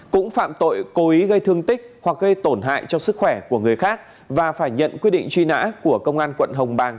cũng phạm tội cố ý gây thương tích hoặc gây tổn hại cho sức khỏe của người khác và phải nhận quyết định truy nã của công an quận hồng bàng